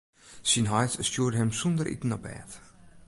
Syn heit stjoerde him sûnder iten op bêd.